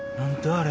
あれ。